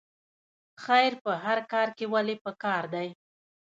خیر په هر کار کې ولې پکار دی؟